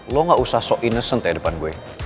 lo gak usah sok innocent ya depan gue